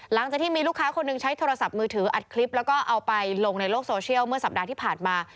หลังจากที่มีลูกค้าคนหนึ่งใช้โทรศัพท์มือถืออัดคลิปแล้วก็เอาไปลงในโลกโซเชียลเมื่อสัปดาห์ที่ผ่านมา